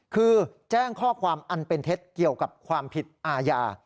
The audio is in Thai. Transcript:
คือแจ้งข้อความอันเป็นเท็จเกี่ยวกับความผิดอาญา